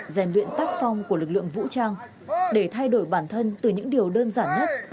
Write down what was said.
rèn luyện tác phong của lực lượng vũ trang để thay đổi bản thân từ những điều đơn giản nhất